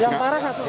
yang parah satu rumah